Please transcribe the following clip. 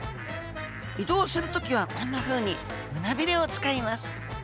移動するときはこんなふうに胸びれを使います。